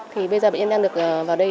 thì bây giờ bệnh nhân đang được vào đây